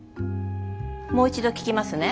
もう一度聞きますね。